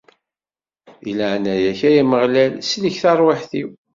Di leɛnaya-k, ay Ameɣlal, sellek tarwiḥt-iw!